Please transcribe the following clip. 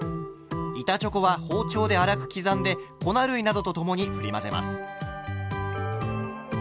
板チョコは包丁で粗くきざんで粉類などと共にふり混ぜます。